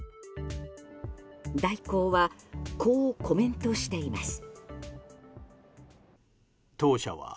大広はこうコメントしています。